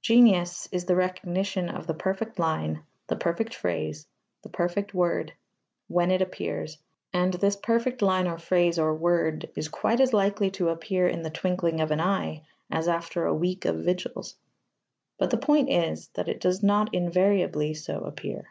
Genius is the recognition of the perfect line, the perfect phrase, the perfect word, when it appears, and this perfect line or phrase or word is quite as likely to appear in the twinkling of an eye as after a week of vigils. But the point is that it does not invariably so appear.